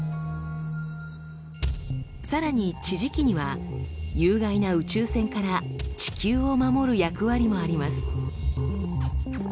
さらに地磁気には有害な宇宙線から地球を守る役割もあります。